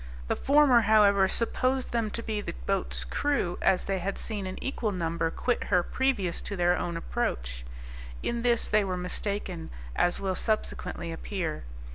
The former, however, supposed them to be the boat's crew, as they had seen an equal number quit her previous to their own approach. In this they were mistaken, as will subsequently appear.